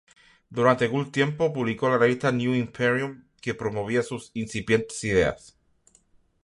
Durante algún tiempo publicó la revista "New Imperium" que promovía sus incipientes ideas.